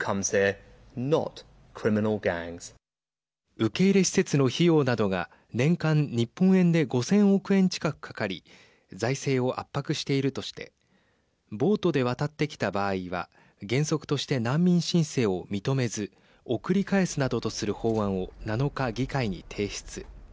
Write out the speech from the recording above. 受け入れ施設の費用などが年間、日本円で５０００億円近くかかり財政を圧迫しているとしてボートで渡ってきた場合は原則として難民申請を認めず送り返すなどとする法案を７日、議会に提出。